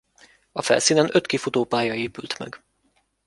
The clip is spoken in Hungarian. A felszínen öt kifutópálya épült meg.